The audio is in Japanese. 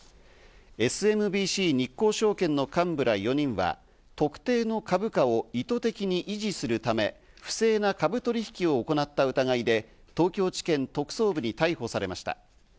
ＳＭＢＣ日興証券の幹部ら４人は特定の株価を意図的に維持するため、不正な株取引を行った疑いで東京地検特捜部に逮捕されました。